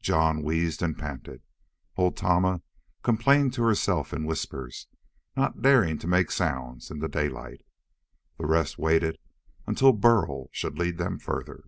Jon wheezed and panted. Old Tama complained to herself in whispers, not daring to make sounds in the daylight. The rest waited until Burl should lead them further.